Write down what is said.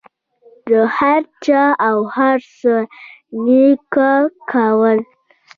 د هر چا او هر څه نیوکه کول.